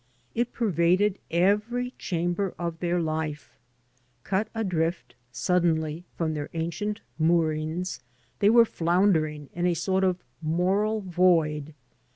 It pervaded every chamber of their life. Cut adrift suddenly from their ancient moorings, they were floundering in a sort of moral void.